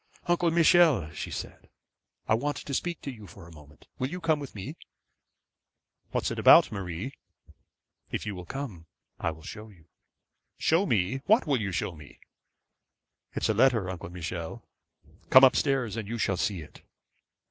'Uncle Michel,' she said, 'I want to speak to you for a moment; will you come with me?' 'What is it about, Marie?' 'If you will come, I will show you.' 'Show me! What will you show me?' 'It's a letter, Uncle Michel. Come up stairs and you shall see it.'